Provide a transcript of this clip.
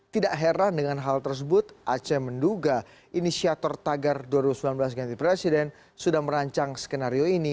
tidak heran dengan hal tersebut aceh menduga inisiator tagar dua ribu sembilan belas ganti presiden sudah merancang skenario ini